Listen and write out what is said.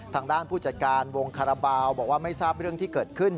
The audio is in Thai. ทางด้านผู้จัดการวงคาราบาลบอกว่าไม่ทราบเรื่องที่เกิดขึ้น